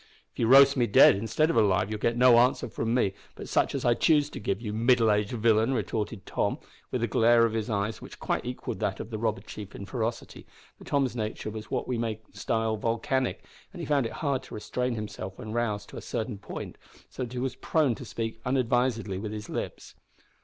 "If you roast me dead instead of alive you'll get no answer from me but such as I choose to give, you middle aged villain!" retorted Tom, with a glare of his eyes which quite equalled that of the robber chief in ferocity, for Tom's nature was what we may style volcanic, and he found it hard to restrain himself when roused to a certain point, so that he was prone to speak unadvisedly with his lips.